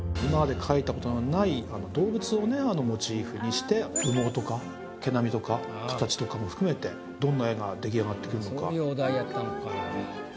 今までモチーフにして羽毛とか毛並みとか形とかも含めてどんな絵が出来上がってくるのか。